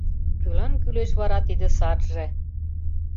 Кӧлан кӱлеш вара тиде сарже?